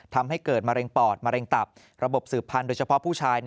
ทำให้เกิดมะเร็งปอดมะเร็งตับระบบสืบพันธ์โดยเฉพาะผู้ชาย